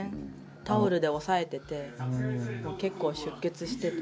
タオルで押さえてて、結構出血してて。